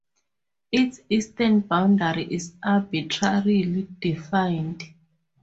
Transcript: Its eastern boundary is arbitrarily defined.